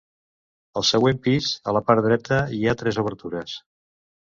Al següent pis, a la part dreta hi ha tres obertures.